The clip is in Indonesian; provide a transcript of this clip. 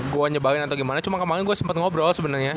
gue nyebarin atau gimana cuma kemaren gue sempet ngobrol sebenernya